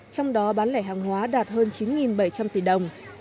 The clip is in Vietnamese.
trong đó bán lẻ hàng hóa đạt hơn chín bảy trăm linh tỷ đồng